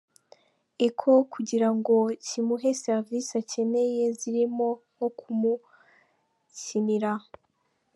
Echo kugira ngo kimuhe serivisi akeneye zirimo nko kumukinira